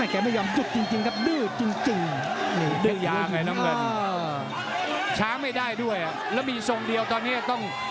ขาดใจกันมาแบบเนี้ยแล้วมัน